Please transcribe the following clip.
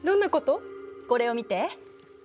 これを見て。